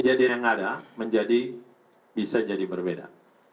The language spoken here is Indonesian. kejadian yang ada menjadi bisa jadi berbeda